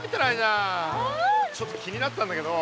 ちょっと気になってたんだけど。